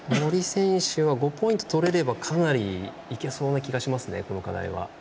森選手は５ポイント取れればかなりいけそうな気がこの課題は。